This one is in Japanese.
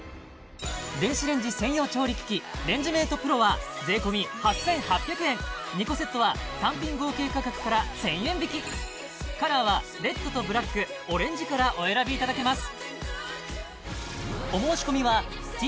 電子レンジ専用調理機器レンジメートプロは税込８８００円２個セットは単品合計価格から１０００円引きカラーはレッドとブラックオレンジからお選びいただけます